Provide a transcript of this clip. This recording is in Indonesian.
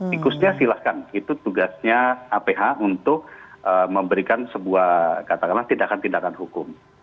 tikusnya silahkan itu tugasnya aph untuk memberikan sebuah katakanlah tindakan tindakan hukum